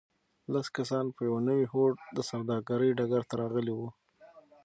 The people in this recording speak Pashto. لس کسان په یوه نوي هوډ د سوداګرۍ ډګر ته راغلي وو.